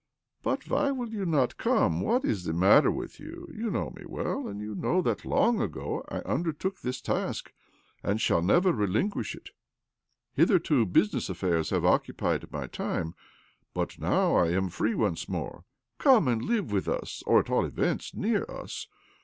"But why will you not come? What is the matter with you ? You know me well, and know that long ago I undertook this task, and shall never relinquish it. Hitherto business affairs ha ve occupied my time, but now I am free once more. Come and live with us, or, at all events, near us.